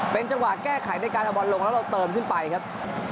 เป็นจังหวะแก้ไขในการเอาบอลลงแล้วเราเติมขึ้นไปครับ